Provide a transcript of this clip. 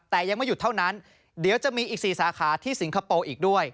แต่ยังไม่หยุดเท่านั้นเดี๋ยวจะมีอีก๔สาขาที่สิงคโปร์อีกด้วย